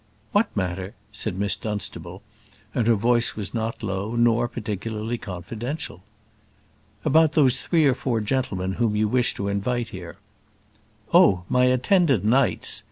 "What matter?" said Miss Dunstable; and her voice was not low, nor particularly confidential. "About those three or four gentlemen whom you wish to invite here?" "Oh! my attendant knights!